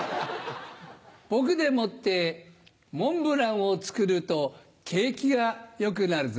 僕でもってモンブランを作ると景気が良くなるぞ。